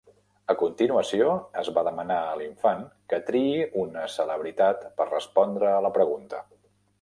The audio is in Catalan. A continuació, es va demanar a l'infant que triï una celebritat per respondre a la pregunta.